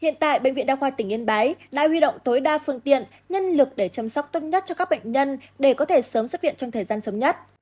hiện tại bệnh viện đa khoa tỉnh yên bái đã huy động tối đa phương tiện nhân lực để chăm sóc tốt nhất cho các bệnh nhân để có thể sớm xuất viện trong thời gian sớm nhất